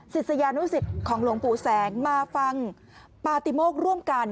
ศิษยานุสิตของหลวงปู่แสงมาฟังปาติโมกร่วมกัน